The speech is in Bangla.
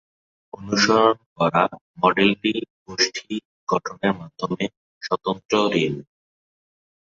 অনুসরণ করা মডেলটি ছিল গোষ্ঠী গঠনের মাধ্যমে স্বতন্ত্র ঋণ।